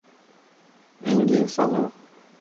Ninguém falou.